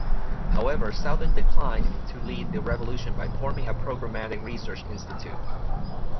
However, Southern declined to lead the revolution by forming a programmatic research institute.